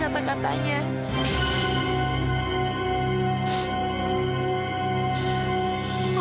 harus dengerin kata katanya